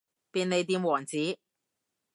便利店王子